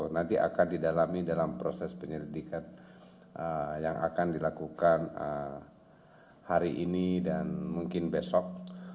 nanti akan didalami dalam proses penyelidikan yang akan dilakukan hari ini dan mungkin besok